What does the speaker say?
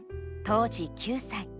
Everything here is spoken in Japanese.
当時９歳。